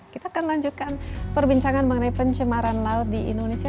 kita akan lanjutkan perbincangan mengenai pencemaran laut di indonesia